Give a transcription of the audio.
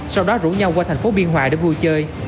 sau đó rủ nhau qua thành phố biên hòa để vui chơi